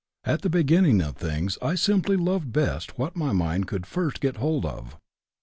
At the beginning of things I simply loved best what my mind could first get hold of.